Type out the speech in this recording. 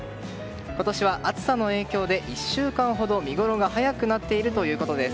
今年は暑さの影響で１週間ほど見ごろが早くなっているということです。